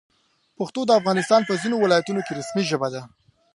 پښتو د افغانستان په ځینو ولایتونو کې رسمي ژبه ده.